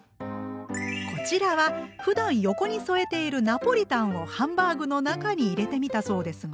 こちらはふだん横に添えているナポリタンをハンバーグの中に入れてみたそうですが？